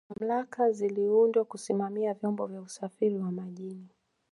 mamlaka ziliundwa Kusimamia vyombo vya usafiri wa majini